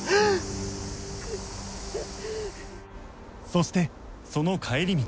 そしてその帰り道